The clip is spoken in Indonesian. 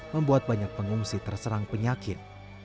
membuat banyak pengungsi terserang penyakit